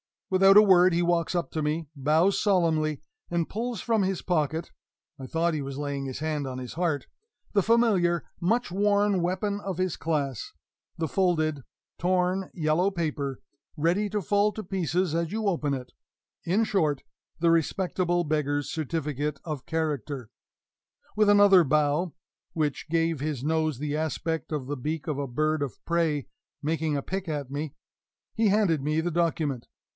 Without a word he walks up to me, bows solemnly, and pulls from his pocket (I thought he was laying his hand on his heart) the familiar, much worn weapon of his class the folded, torn yellow paper, ready to fall to pieces as you open it in short, the respectable beggar's certificate of character. With another bow (which gave his nose the aspect of the beak of a bird of prey making a pick at me) he handed me the document.